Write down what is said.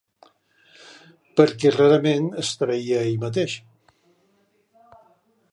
Perquè rarament es traïa ell mateix.